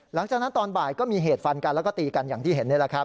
หลังจากนั้นตอนบ่ายก็มีเหตุฟันกันแล้วก็ตีกันอย่างที่เห็นนี่แหละครับ